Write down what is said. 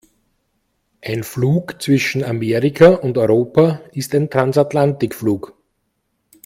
Ein Flug zwischen Amerika und Europa ist ein Transatlantikflug.